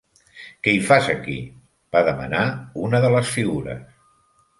"Què hi fas aquí?" va demanar una de les figures.